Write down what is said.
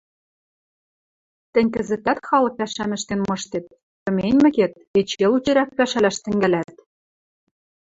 Тӹнь кӹзӹтӓт халык пӓшӓм ӹштен мыштет, тыменьмӹкет, эче лучирӓк пӓшӓлӓш тӹнгӓлӓт.